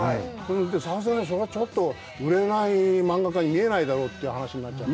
さすがにそれはちょっと売れない漫画家に見えないだろうという話になって。